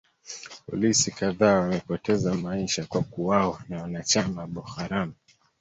polisi kadhaa wamepoteza maisha kwa kuwawa na wanachama wa bokharam